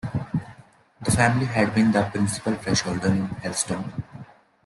The family had long been the principal freeholders in Helston.